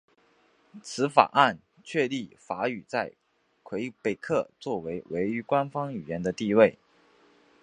此法案确立法语在魁北克作为唯一官方语言的地位。